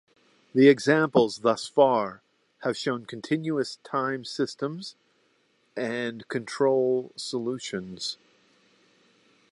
The examples thus far have shown continuous time systems and control solutions.